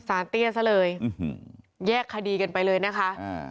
เตี้ยซะเลยแยกคดีกันไปเลยนะคะอ่า